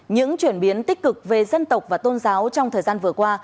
những chuyển biến tích cực về dân tộc và tôn giáo trong thời gian vừa qua